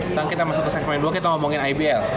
sekarang kita masuk ke segmen dua kita ngomongin ibl